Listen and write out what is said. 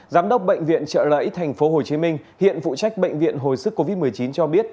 giám đốc bệnh viện trợ lẫy tp hcm hiện phụ trách bệnh viện hồi sức covid một mươi chín cho biết